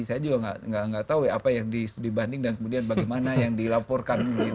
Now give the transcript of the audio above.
saya juga nggak tahu ya apa yang di studi banding dan kemudian bagaimana yang dilaporkan gitu ya